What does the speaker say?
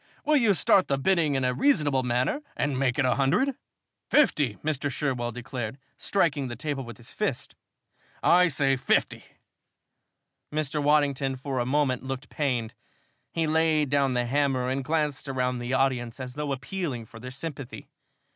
Will you start the bidding in a reasonable manner and make it a hundred?" "Fifty!" Mr. Sherwell declared, striking the table with his fist. "I say fifty!" Mr. Waddington for a moment looked pained. He laid down the hammer and glanced around through the audience, as though appealing for their sympathy.